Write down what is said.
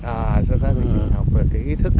à xuất phát từ trường học là cái ý thức